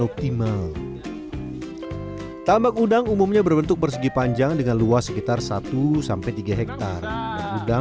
optimal tambak udang umumnya berbentuk bersegi panjang dengan luas sekitar satu sampai tiga hektare udang